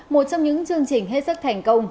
một trong những chương trình hết sức thành công